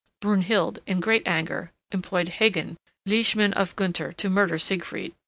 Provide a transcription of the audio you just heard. Brunhild, in great anger, employed Hagan, liegeman of Gunther, to murder Siegfried.